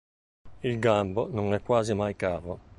Il gambo non è quasi mai cavo.